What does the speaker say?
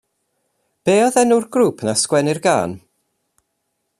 Be oedd enw'r grŵp nath sgwennu'r gân?